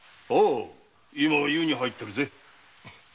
ああ今湯に入ってるぜ。